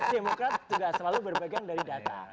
demokrat juga selalu berbagian dari data